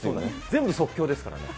全部即興ですからね。